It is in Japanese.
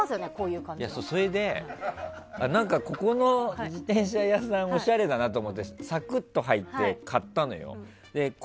それで、ここの自転車屋さんおしゃれだなと思ってサクッと入って買ったのよ。